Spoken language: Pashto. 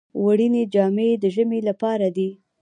وړینې جامې د ژمي لپاره دي